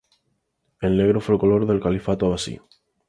El negro fue el color del Califato Abbasí.